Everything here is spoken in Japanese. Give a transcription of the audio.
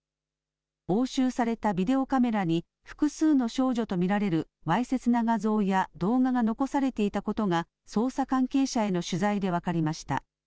押収されたビデオカメラに複数の少女と見られるわいせつな画像や動画が残されていたことが捜査関係者への取材で分かりました。